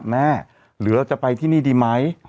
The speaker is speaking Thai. แม่เหลือจะไปที่นี่ดีไหม